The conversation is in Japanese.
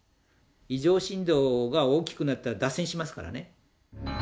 異常振動が大きくなったら脱線しますからね。